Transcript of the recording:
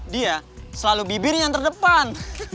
dia selalu bibir yang terdepan